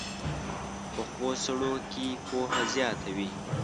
پخو سړو کې پوهه زیاته وي